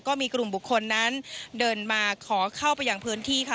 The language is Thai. ก็มีกลุ่มบุคคลนั้นเดินมาขอเข้าไปอย่างพื้นที่ค่ะ